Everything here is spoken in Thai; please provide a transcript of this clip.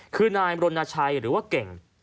คือนายรณชัยหรือว่าเก่ง